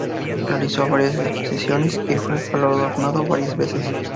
Realizó varias exposiciones y fue galardonado varias veces.